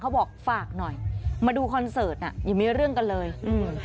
เขาบอกฝากหน่อยมาดูคอนเซิร์ตอะจะมีเรื่องกันเลยอืม